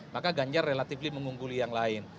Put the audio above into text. maka ganjar relatif mengungguli yang lain